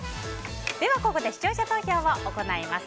ではここで視聴者投票を行います。